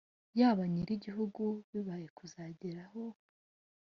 ya ba nyirigihugu bihaye kuzageraho